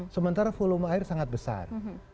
sementara volume air sangat besar